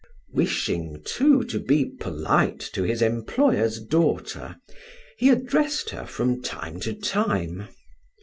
Wishing, too, to be polite to his employer's daughter, he addressed her from time to time.